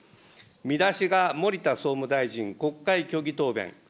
見出しが、もりた総務大臣、国会虚偽答弁。